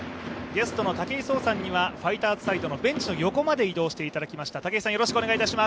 ゲストの武井壮さんには、ファイターズサイドのベンチの横まで移動していただきました。